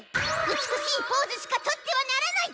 美しいポーズしかとってはならない！